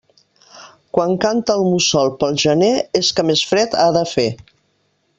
Quan canta el mussol pel gener, és que més fred ha de fer.